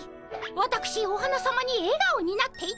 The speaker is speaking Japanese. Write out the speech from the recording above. わたくしお花さまにえがおになっていただきたい。